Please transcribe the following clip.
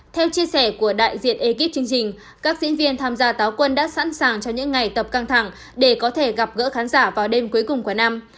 theo chia sẻ của đại diện ekip chương trình các diễn viên tham gia táo quân đã sẵn sàng cho những ngày tập căng thẳng để có thể gặp gỡ khán giả vào đêm cuối cùng của năm